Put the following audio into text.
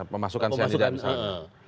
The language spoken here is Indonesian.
pemasukan sianida misalnya